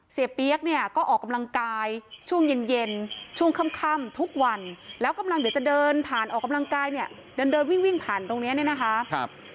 เปี๊ยกเนี่ยก็ออกกำลังกายช่วงเย็นเย็นช่วงค่ำทุกวันแล้วกำลังเดี๋ยวจะเดินผ่านออกกำลังกายเนี่ยเดินเดินวิ่งวิ่งผ่านตรงนี้เนี่ยนะคะ